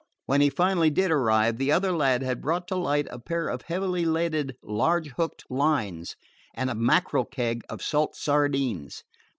When he finally did arrive, the other lad had brought to light a pair of heavily leaded, large hooked lines and a mackerel keg of salt sardines.